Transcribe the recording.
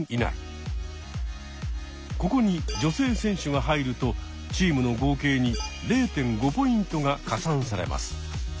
ここに女性選手が入るとチームの合計に０．５ポイントが加算されます。